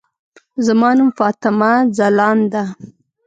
زما نوم فاطمه ځلاند ده.